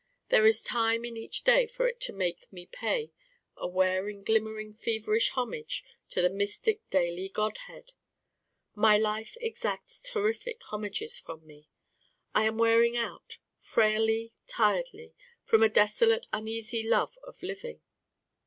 There is time in each day for it to make me pay a wearing glimmering feverish homage to the mystic daily godhead. My life exacts terrific homages from me. I am wearing out frailly, tiredly, from a desolate uneasy love of living.